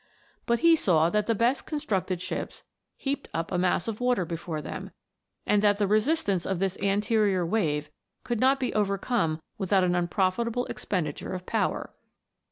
But he saw that the best constructed ships heaped up a mass of water before them, and that the resistance of this anterior wave could not be overcome without an unprofitable expenditure of power.